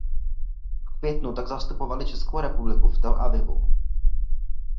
V květnu tak zastupovali Českou republiku v Tel Avivu.